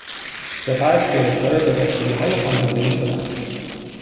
سپس گرفتار دودستگیهای خانوادگی شدند.